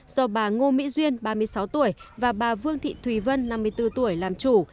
do bà ngô mỹ duyên ba mươi sáu tuổi và bà vương thị thùy vân năm mươi bốn tuổi làm chủ